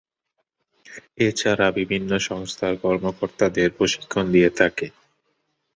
এছাড়া, বিভিন্ন সংস্থার কর্মকর্তাদের প্রশিক্ষণ দিয়ে থাকে।